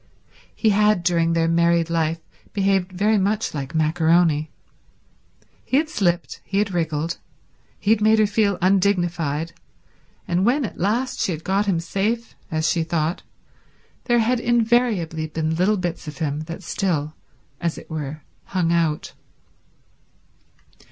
He had during their married life behaved very much like maccaroni. He had slipped, he had wriggled, he had made her feel undignified, and when at last she had got him safe, as she thought, there had invariably been little bits of him that still, as it were, hung out.